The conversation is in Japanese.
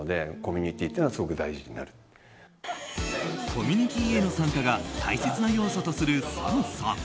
コミュニティーへの参加が大切な要素とするＳＡＭさん。